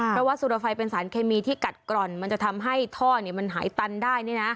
เพราะว่าสุรไฟเป็นสารเคมีที่กัดกร่อนมันจะทำให้ท่อมันหายตันได้